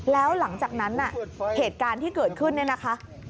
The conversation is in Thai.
แล้วหลังจากนั้นเหตุการณ์ที่เกิดขึ้นเนี่ยนะคะ